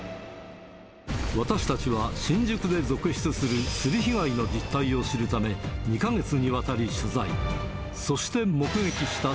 私たちは、新宿で続出するすり被害の実態を知るため、２か月にわたり取材。